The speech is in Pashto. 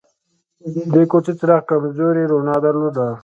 د کوڅې څراغ کمزورې رڼا درلوده.